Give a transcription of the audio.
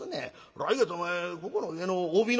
来月お前ここの家の帯の祝いやで」。